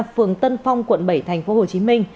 phường tân phong quận bảy tp hcm